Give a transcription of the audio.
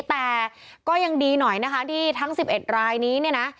แต่ก็ยังดีหน่อยนะคะที่ทั้ง๑๑รายนี้เนี่ยนะ